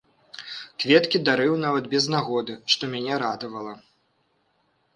Кветкі дарыў нават без нагоды, што мяне радавала.